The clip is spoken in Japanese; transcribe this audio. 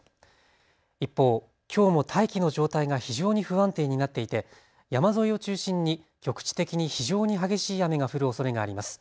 一方、きょうも大気の状態が非常に不安定になっていて山沿いを中心に局地的に非常に激しい雨が降るおそれがあります。